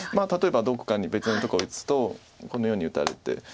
例えばどこかに別のとこ打つとこのように打たれて。